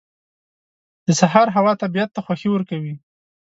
• د سهار هوا طبیعت ته خوښي ورکوي.